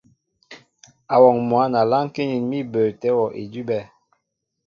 Awɔŋ mwǎn a lánkí nín mí bəətɛ́ wɔ́ idʉ́bɛ́.